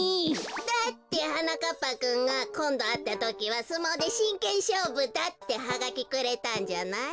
だってはなかっぱくんが「こんどあったときはすもうでしんけんしょうぶだ」ってハガキくれたんじゃない。